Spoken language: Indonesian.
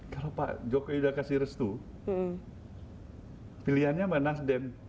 kalau pak jokowi sudah memberikan restu pilihannya pak nassim